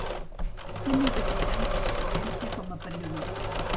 Té més de vint anys d’experiència com a periodista.